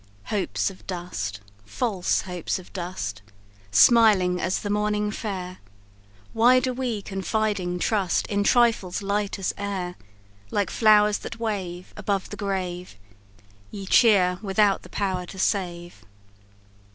"Hopes of dust! false hopes of dust! Smiling as the morning fair; Why do we confiding trust In trifles light as air? Like flowers that wave Above the grave, Ye cheer, without the power to save.